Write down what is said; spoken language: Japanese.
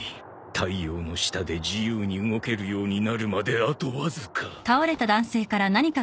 太陽の下で自由に動けるようになるまであとわずか。